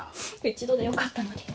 一度でよかったのに。